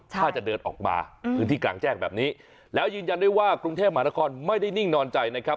ถ้าจะเดินออกมาพื้นที่กลางแจ้งแบบนี้แล้วยืนยันด้วยว่ากรุงเทพมหานครไม่ได้นิ่งนอนใจนะครับ